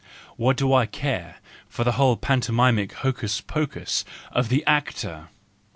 What do I care for the whole pantomimic hocus pocus of the actor!